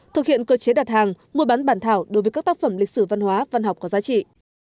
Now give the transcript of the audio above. thực hiện cơ chế đặt hàng mua bán bản thảo đối với các tác phẩm lịch sử văn hóa văn học có giá trị